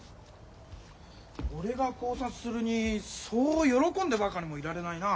俺が考察するにそう喜んでばかりもいられないな。